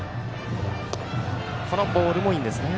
このボールもいいですね。